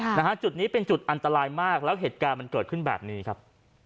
นะฮะจุดนี้เป็นจุดอันตรายมากแล้วเหตุการณ์มันเกิดขึ้นแบบนี้ครับ